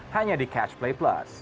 hanya di catch play plus